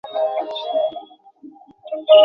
যোগমায়া লাবণ্যর দিকে আড়চোখে চেয়ে একটু হাসলেন।